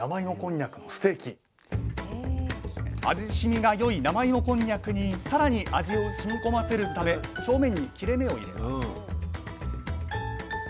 しみがよい生芋こんにゃくに更に味をしみこませるため表面に切れ目を入れます